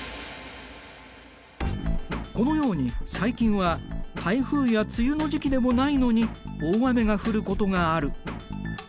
このように最近は台風や梅雨の時期でもないのに大雨が降ることがある。